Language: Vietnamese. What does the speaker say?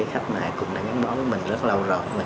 khách mời cũng đã gắn bó với mình rất lâu rồi